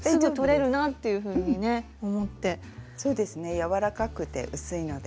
柔らかくて薄いので。